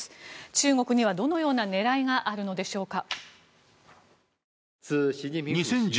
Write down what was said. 中国にはどのような狙いがあるのでしょうか。